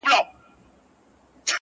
خدای بې اجر راکړي بې ګنا یم ښه پوهېږمه,